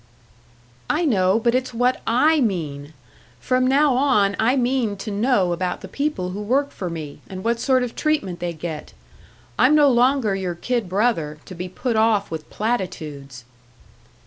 "I know but it's what I mean! From now on I mean to know about the people who work for me, and what sort of treatment they get. I'm no longer your kid brother, to be put off with platitudes."